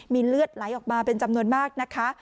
มีเลือดไหลออกมาเป็นจำนวนมากนะคะ